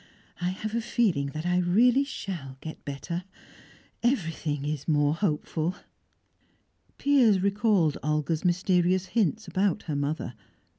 I have a feeling that I really shall get better. Everything is more hopeful." Piers recalled Olga's mysterious hints about her mother.